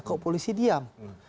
kok polisi diam